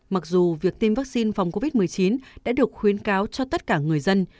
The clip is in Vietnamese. mặc dù việc tiêm vaccine phòng covid một mươi chín đã được khuyến cáo cho tất cả người dân